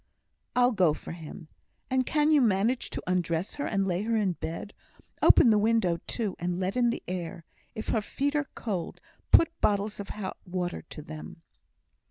"I'll go for him. And can you manage to undress her and lay her in bed? Open the window too, and let in the air; if her feet are cold, put bottles of hot water to them."